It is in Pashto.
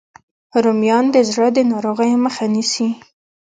رومیان د زړه د ناروغیو مخه نیسي